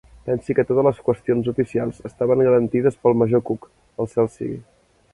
Pensi que totes les qüestions oficials estaven garantides pel major Cook, al cel sigui.